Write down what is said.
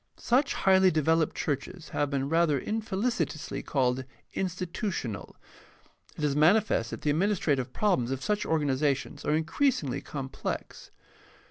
Such highly developed churches have been rather infelicitously called institutional. It is manifest that the administrative problems of such organizations are increasingly complex.